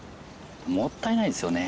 もったいないですよね。